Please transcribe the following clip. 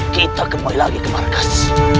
kita ke melaga kemarkas